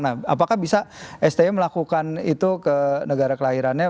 nah apakah bisa sti melakukan itu ke negara kelahirannya